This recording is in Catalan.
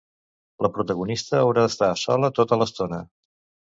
La protagonista haurà d'estar sola tota l'estona?